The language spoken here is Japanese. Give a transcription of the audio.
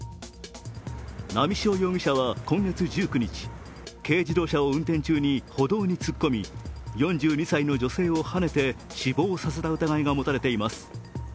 波汐容疑者は今月１９日、軽自動車を運転中に歩道に突っ込み４２歳の女性をはねて死亡させた疑いが持たれています。